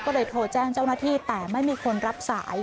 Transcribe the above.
ก็เลยโทรแจ้งเจ้าหน้าที่แต่ไม่มีคนรับสาย